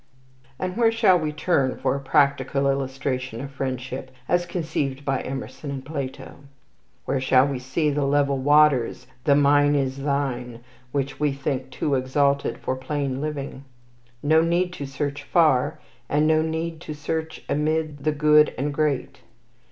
And where shall we turn for a practical illustration of friendship, as conceived by Emerson and Plato? Where shall we see the level waters, the "mine is thine" which we think too exalted for plain living? No need to search far, and no need to search amid the good and great.